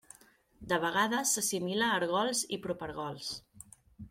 De vegades s'assimila ergols i propergols.